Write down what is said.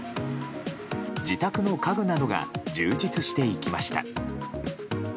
自宅の家具などが充実していきました。